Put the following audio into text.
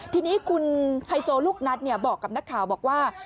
ทีนี้คุณไฮโซลูกนัทบอกกับนักข่าวบอกว่า